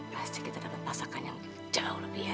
pasti kita dapat masakan yang jauh lebih ya